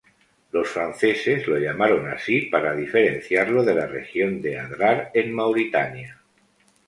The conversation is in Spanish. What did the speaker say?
Los franceses lo llamaron así para diferenciarlo de la región de Adrar en Mauritania.